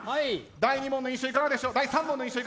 第３問の印象いかがでしょうか。